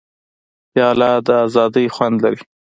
پیاله د ازادۍ خوند لري.